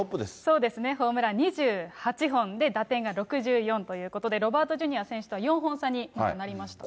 そうですね、ホームラン２８本で打点が６４ということで、ロバート・ジュニア選手とは４本差になりましたね。